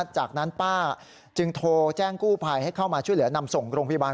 จากนั้นป้าจึงโทรแจ้งกู้ภัยให้เข้ามาช่วยเหลือนำส่งโรงพยาบาล